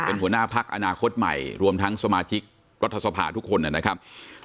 เป็นหัวหน้าพักอนาคตใหม่รวมทั้งสมาชิกรัฐสภาทุกคนนะครับ